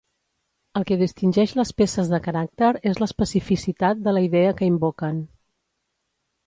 El que distingeix les peces de caràcter és l'especificitat de la idea que invoquen.